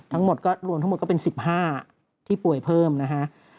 ทั้งหมดก็รวมทั้งหมดก็เป็น๑๕ที่ป่วยเพิ่มนะฮะ